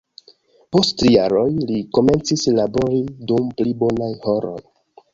Post tri jaroj, li komencis labori dum pli bonaj horoj.